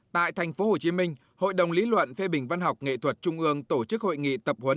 tại tp hcm hội đồng lý luận phê bình văn học nghệ thuật trung ương tổ chức hội nghị tập huấn